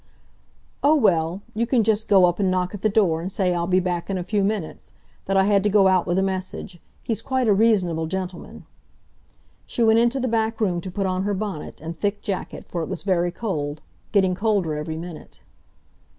"Oh, well, you can just go up and knock at the door and say I'll be back in a few minutes—that I had to go out with a message. He's quite a reasonable gentleman." She went into the back room to put on her bonnet and thick jacket for it was very cold—getting colder every minute.